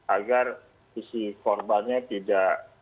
agar si korbannya tidak